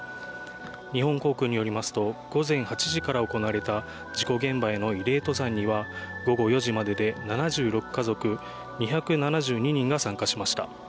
日本航空によりますと午前８時から行われた事故現場への慰霊登山には、午後４時までで７６家族２７２人が参加しました。